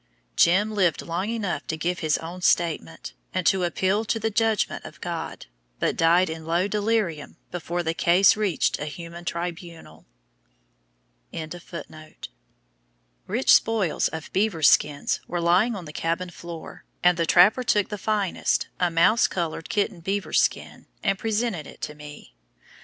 "Jim" lived long enough to give his own statement, and to appeal to the judgment of God, but died in low delirium before the case reached a human tribunal. Rich spoils of beavers' skins were lying on the cabin floor, and the trapper took the finest, a mouse colored kitten beaver's skin, and presented it to me.